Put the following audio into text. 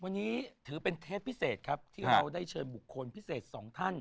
วันนี้ถือเป็นเทปพิเศษครับที่เราได้เชิญบุคคลพิเศษสองท่าน